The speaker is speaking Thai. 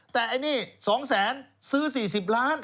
แต่นี่๒๔๐๐๐๐บาทซื้อ๔๐ล้านบาท